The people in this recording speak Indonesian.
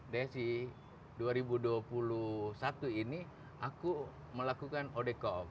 desi dua ribu dua puluh satu ini aku melakukan odekop